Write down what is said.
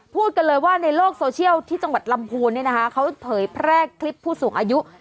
พูดกันเลยว่าในโลกโซเชียลที่จังหวัดลำพูนเนี่ยนะคะเขาเผยแพร่คลิปผู้สูงอายุ